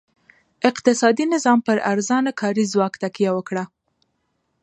اقتصادي نظام پر ارزانه کاري ځواک تکیه وکړه.